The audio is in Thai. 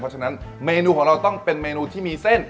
เพราะฉะนั้นเมนูของเราต้องเป็นเมนูที่มีเส้น